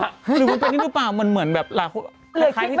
หรือคุณเป็นนี่หรือเปล่ามันเหมือนแบบหลายคน